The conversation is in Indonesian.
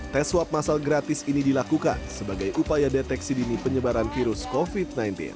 tes swab masal gratis ini dilakukan sebagai upaya deteksi dini penyebaran virus covid sembilan belas